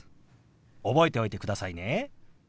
覚えておいてくださいね。